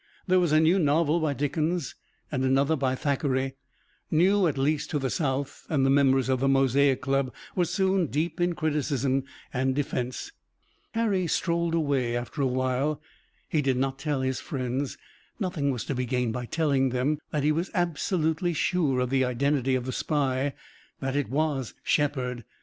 There was a new novel by Dickens and another by Thackeray, new at least to the South, and the members of the Mosaic Club were soon deep in criticism and defense. Harry strolled away after a while. He did not tell his friends nothing was to be gained by telling them that he was absolutely sure of the identity of the spy, that it was Shepard.